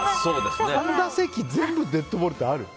３打席全部デッドボールってある？